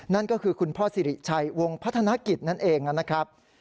นั่นก็คือคุณพ่อสิริชัยวงพัฒนกิจนั่นเองนะครับ